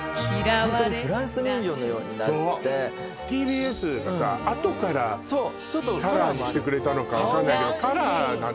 ホントにフランス人形のようになってＴＢＳでさあとからカラーにしてくれたのか分かんないけどカラーなのよ